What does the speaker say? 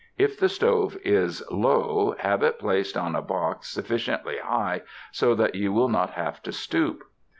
If the stove is low, have it placed on a box sufficiently high, so that you will not have to stoop.